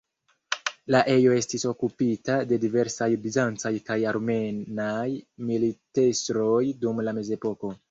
La ejo estis okupita de diversaj bizancaj kaj armenaj militestroj dum la Mezepoko.